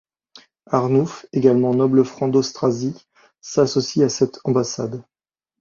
Arnoulf, également noble franc d'Austrasie, s'associe à cette ambassade.